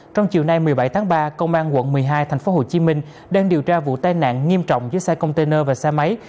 trong chiều nay một mươi bảy tháng ba công an quận một mươi hai tp hcm đang điều tra vụ tai nạn nghiêm trọng giữa xe container và xe máy